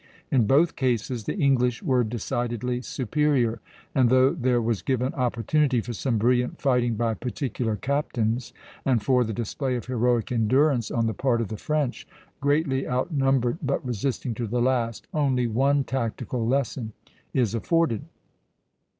In both cases the English were decidedly superior; and though there was given opportunity for some brilliant fighting by particular captains, and for the display of heroic endurance on the part of the French, greatly outnumbered but resisting to the last, only one tactical lesson is afforded.